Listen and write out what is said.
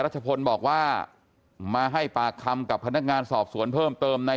ชพลบอกว่ามาให้ปากคำกับพนักงานสอบสวนเพิ่มเติมใน